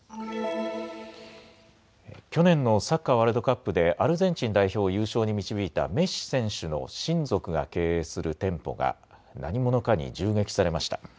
去年のサッカーワールドカップでアルゼンチン代表を優勝に導いたメッシ選手の親族が経営する店舗が何者かに銃撃されました。